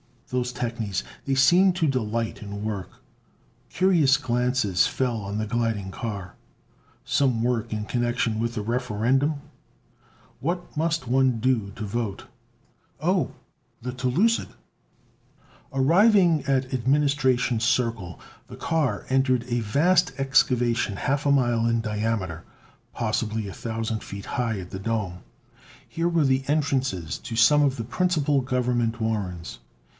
Those technies they seemed to delight in work! Curious glances fell on the gliding car. Some work in connection with the Referendum? What must one do to vote? Oh, the telucid! Arriving at Administration Circle, the car entered a vast excavation half a mile in diameter, possibly a thousand feet high at the dome. Here were the entrances to some of the principal Government warrens.